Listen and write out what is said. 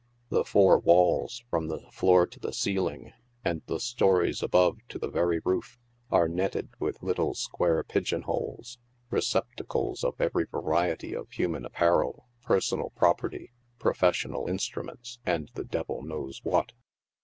The four walls, from the floor to the ceiling, and the stories above to the very roof, are netted with little square pigeon holes — receptacles of every variety of human apparel, personal property, professional instruments, and the devil knows what.